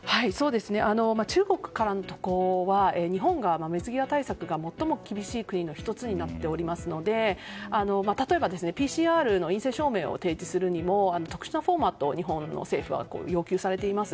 中国からの渡航は日本の水際対策が最も厳しい国の１つになっていますので例えば、ＰＣＲの陰性証明を提示する前に特殊なフォーマットを日本政府は要求されています。